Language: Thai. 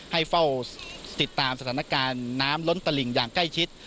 ให้เฝ้าติดตามสถานการณ์น้ำล้นตลิ่งอย่างใกล้ชิด